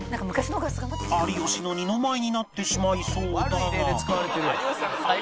有吉の二の舞いになってしまいそうだが